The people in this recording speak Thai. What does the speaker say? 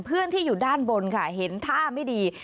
เพื่อนที่อยู่ด้านบนค่ะเห็นท่าไม่ดี